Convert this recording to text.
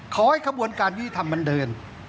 ขอให้ขบวนการยี่ทำมันเดิน